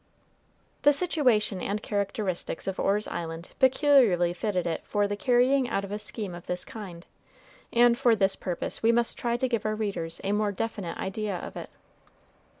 The situation and characteristics of Orr's Island peculiarly fitted it for the carrying out of a scheme of this kind, and for this purpose we must try to give our readers a more definite idea of it.